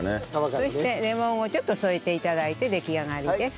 そしてレモンをちょっと添えて頂いて出来上がりです。